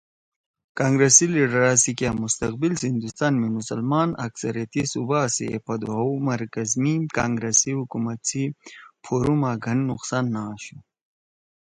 کانگرس سی لیڈرا سی کیا مستقبل سی ہندوستان می مسلمان اکثریتی صوبا سی ایپود ہؤ مرکز می کانگرس سی حکومت سی پھورُو ما گھن نقصان نہ آشُو۔